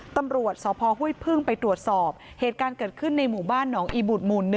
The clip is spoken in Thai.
ตำรวจสพห้วยพึ่งไปตรวจสอบเหตุการณ์เกิดขึ้นในหมู่บ้านหนองอีบุตรหมู่๑